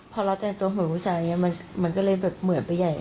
พอเราแต่งตัวเหมือนผู้ชายมันก็เลยเหมือนไปใหญ่